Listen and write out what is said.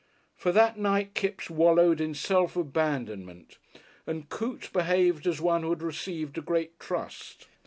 For that night Kipps wallowed in self abandonment and Coote behaved as one who had received a great trust.